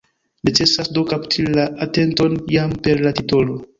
Necesas do kapti la atenton, jam per la titolo.